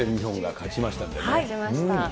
勝ちました。